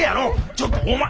ちょっとお前！